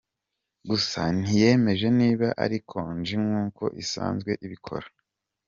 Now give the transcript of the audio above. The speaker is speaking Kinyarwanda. Gusa ntiyemeje niba ari konji nkuko isanzwe ibikora.